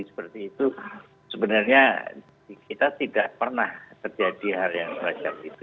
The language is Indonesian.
seperti itu sebenarnya kita tidak pernah terjadi hal yang semacam itu